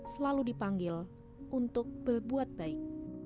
selalu dipanggil untuk berbuat baik